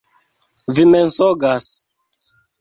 Vi mensogas!